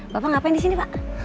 bapak ngapain disini pak